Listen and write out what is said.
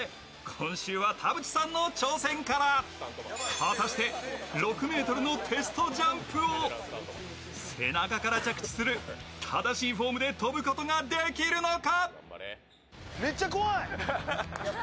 果たして６ｍのテストジャンプを背中から着地する正しいフォームで飛ぶことができるのか？